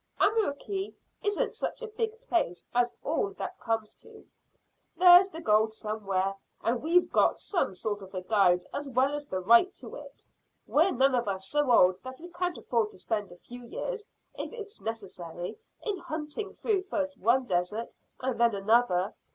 Amurrykee isn't such a big place as all that comes to. There's the gold somewhere, and we've got some sort of a guide as well as the right to it. We're none of us so old that we can't afford to spend a few years, if it's necessary, in hunting through first one desert and then another.